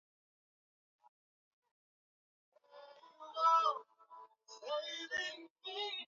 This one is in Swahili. Shule haikupata fedha za haraka kuwezesha shughuli zake